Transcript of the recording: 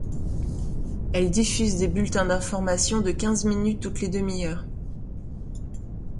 Elle diffuse des bulletins d'information de quinze minutes toutes les demi-heures.